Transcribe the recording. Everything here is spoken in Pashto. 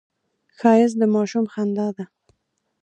ښایست د ماشوم خندا ده